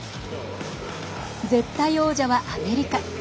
絶対王者はアメリカ。